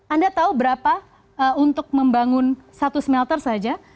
anda tahu berapa untuk membangun satu smelter saja